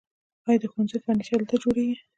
آیا د ښوونځیو فرنیچر دلته جوړیږي؟